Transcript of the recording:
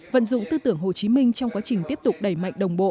vận dụng tư tưởng hồ chí minh trong quá trình tiếp tục đẩy mạnh đồng bộ